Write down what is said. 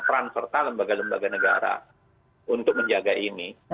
peran serta lembaga lembaga negara untuk menjaga ini